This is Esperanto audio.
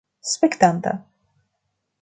spektanta